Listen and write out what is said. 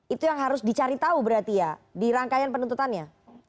itu yang harus dicari tahu berarti ya di rangkaian penuntutannya